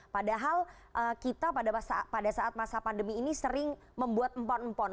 padahal kita pada saat masa pandemi ini sering membuat empon empon